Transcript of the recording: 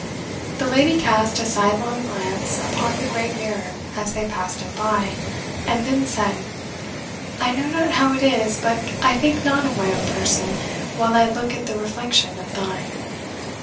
The lady cast a sidelong glance upon the great mirror as they passed it by, and then said, "I know not how it is, but I think not of my own person while I look at the reflection of thine.